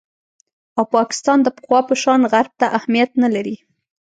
او پاکستان د پخوا په شان غرب ته اهمیت نه لري